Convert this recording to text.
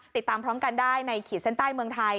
ติดตามพร้อมกันได้ในขีดเส้นใต้เมืองไทย